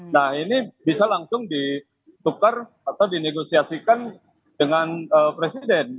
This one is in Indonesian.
nah ini bisa langsung ditukar atau dinegosiasikan dengan presiden